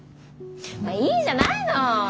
まあいいじゃないの！